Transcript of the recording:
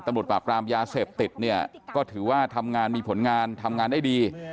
ตำรวจปราบรามยาเสพติดเนี่ยก็ถือว่าทำงานมีผลงานทำงานได้ดี